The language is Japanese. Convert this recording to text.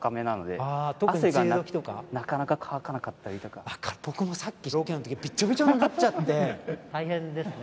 はい汗がなかなか乾かなかったりとか分かる僕もさっきロケのときびっちょびちょになっちゃって大変ですね